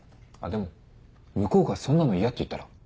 でも向こうがそんなの嫌って言ったら？